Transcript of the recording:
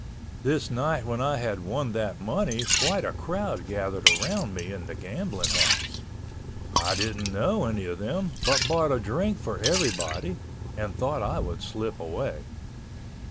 This night when I had won that money quite a crowd gathered around me in the gambling house. I didn't know any of them but bought a drink for everybody and thought I would slip away.